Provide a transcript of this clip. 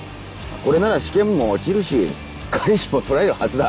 これなら試験も落ちるし彼氏も取られるはずだ。